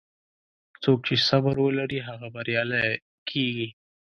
څوک چې صبر ولري، هغه بریالی کېږي.